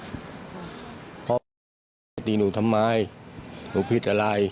พ่อปกติดีหนูทำไมหนูผิดอะไร